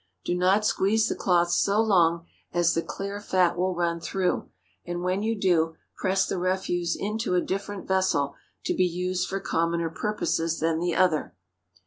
Do not squeeze the cloth so long as the clear fat will run through, and when you do, press the refuse into a different vessel, to be used for commoner purposes than the other.